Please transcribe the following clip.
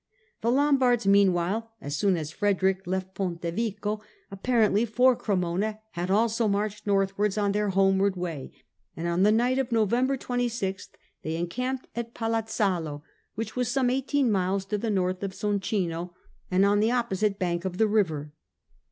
The Lombards meanwhile, as soon as Frederick left Pontevico, apparently for Cremona, had also marched northwards on their homeward way, and on the night of November 26th they encamped at Palazzalo, which was some eighteen miles to the north of Soncino and on the opposite bank of the river.